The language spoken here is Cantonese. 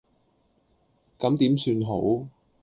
咁點算好